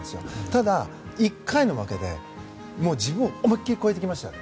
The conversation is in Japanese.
ただ、１回の負けで、もう自分を思いきり超えてきました。